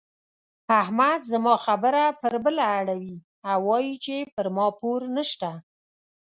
احمد زما خبره پر بله اړوي او وايي چې پر ما پور نه شته.